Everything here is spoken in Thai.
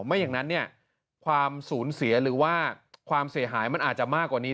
ไม่อย่างนั้นเนี่ยความสูญเสียหรือว่าความเสียหายมันอาจจะมากกว่านี้